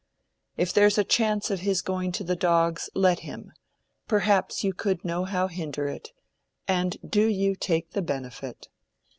If there's a chance of his going to the dogs, let him—perhaps you could nohow hinder it—and do you take the benefit.